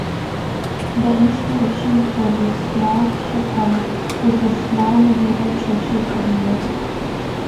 The inspiration for this small chapel was the small medieval churches of Europe.